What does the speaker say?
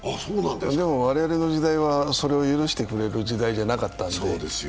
でも、我々の時代はそれを許してくれなかったので。